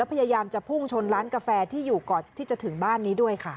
พยายามจะพุ่งชนร้านกาแฟที่อยู่ก่อนที่จะถึงบ้านนี้ด้วยค่ะ